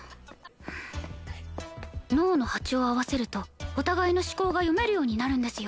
脳の波長を合わせるとお互いの思考が読めるようになるんですよ。